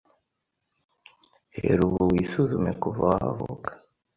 hera ubu wisuzume kuva wavuka